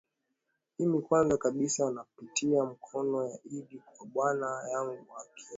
mimi kwanza kabisa napatia mkono ya idd kwa bwana yangu aki